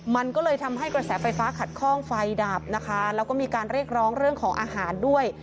มันก็เลยทำให้กระแสไฟฟ้าขัดข้องไฟดับนะคะแล้วก็มีการเรียกร้องเรื่องของอาหารด้วย